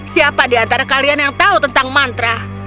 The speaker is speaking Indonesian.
siapa di antara kalian yang tahu tentang mantra